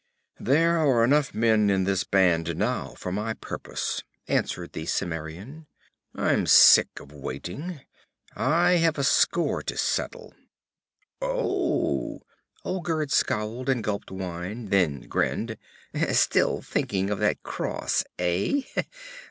'There are enough men in this band now for my purpose,' answered the Cimmerian. 'I'm sick of waiting. I have a score to settle.' 'Oh!' Olgerd scowled, and gulped wine, then grinned. 'Still thinking of that cross, eh?